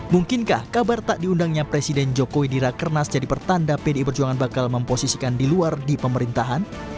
mungkinkah kabar tak diundangnya presiden jokowi di rakernas jadi pertanda pdi perjuangan bakal memposisikan di luar di pemerintahan